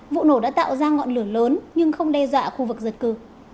vụ nổ đã tạo ra ngọn lửa lớn nhưng không đe dọa khu vực dân cư